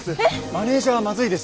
マネージャーはまずいです。